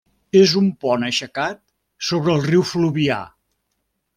És un pont aixecat sobre el riu Fluvià.